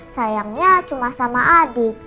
sayangnya cuma sama adik